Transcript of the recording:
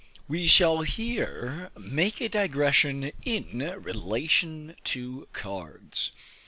We shall here make a digression in relation to cards.